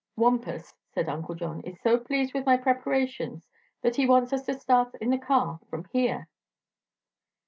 "Wampus," said Uncle John, "is so pleased with my preparations that he wants us to start in the car from here."